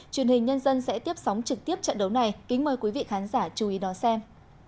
truyền hình nhân dân sẽ tiếp sóng trực tiếp trận đấu này kính mời quý vị khán giả chú ý đón xem